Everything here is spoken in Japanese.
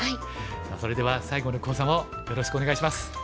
それでは最後の講座もよろしくお願いします。